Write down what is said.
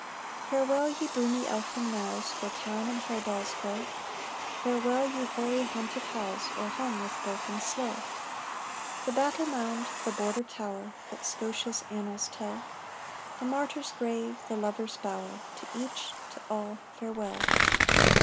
"Farewell, ye broomy elfin knowes, Where thyme and harebells grow! Farewell, ye hoary haunted howes, O'erhung with birk and sloe. "The battle mound, the Border tower, That Scotia's annals tell; The martyr's grave, the lover's bower To each to all farewell!